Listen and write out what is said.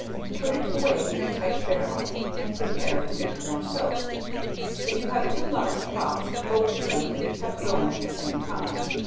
Put it away in a tight barrel, and prepare to make more soap, if you have two large pots both of them can be kept going at the same time.